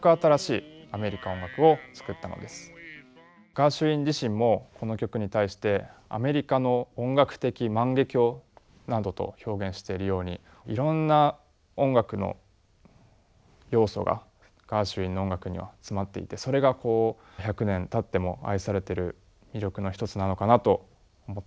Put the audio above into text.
ガーシュウィン自身もこの曲に対してなどと表現しているようにいろんな音楽の要素がガーシュウィンの音楽には詰まっていてそれが１００年たっても愛されてる魅力の一つなのかなと思っています。